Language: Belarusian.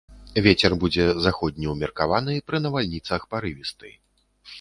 Вецер будзе заходні, умеркаваны, пры навальніцах парывісты.